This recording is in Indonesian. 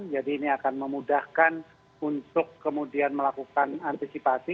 jadi ini akan memudahkan untuk kemudian melakukan antisipasi